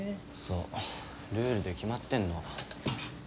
ルールで決まってんの。